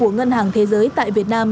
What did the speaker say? ngân hàng thế giới tại việt nam